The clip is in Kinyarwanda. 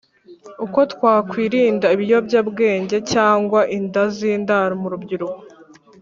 uko twakwirinda ibiyobyabwenge cyangwa inda z’indaro mu rubyiruko